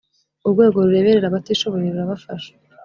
urwego rureberera abatishoboye rurabafasha.